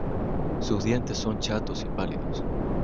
Sus dientes son chatos y pálidos.